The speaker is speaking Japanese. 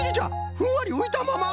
ふんわりういたまま！